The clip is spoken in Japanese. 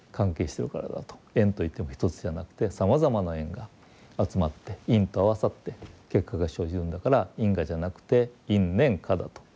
縁といっても一つじゃなくてさまざまな縁が集まって因と合わさって結果が生じるんだから因果じゃなくて因縁果だと。